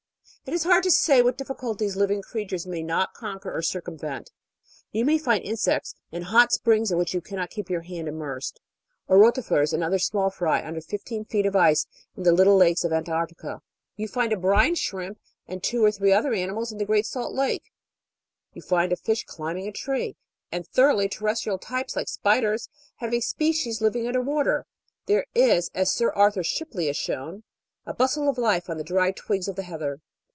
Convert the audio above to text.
It is hard to say what difficulties living creatures may not conquer or circumvent. You may find insects in hot springs in which you cannot keep your hand im mersed, or Rotifers and other small fry under fifteen feet of ice in the little lakes of Antarctica; you find a Brine Shrimp and two or three other animals in the Great Salt Lake; you find a fish climbing a tree, and thoroughly terrestrial types like spiders having species living under water; there is, as Sir Arthur Shipley has shown, a bustle of life on the dry twigs of the heather.